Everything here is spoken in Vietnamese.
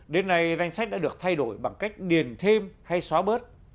đến nay danh sách đã được thay đổi bằng cách điền thêm hay xóa bớt